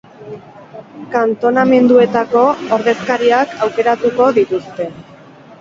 Kantonamenduetako ordezkariak aukeratuko dituzte.